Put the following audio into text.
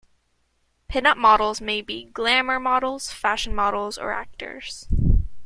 Pin-up models may be glamour models, fashion models, or actors.